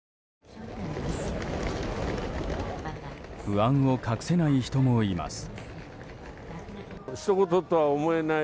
不安を隠せない人もいます。